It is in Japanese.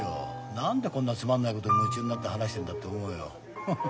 何でこんなつまんないこと夢中になって話してんだって思うよ。